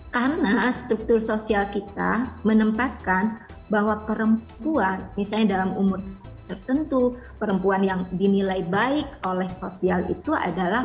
karena struktur sosial kita menempatkan bahwa perempuan yang berpengaruh dengan perempuan itu akan menyebabkan kekerasan dalam pacaran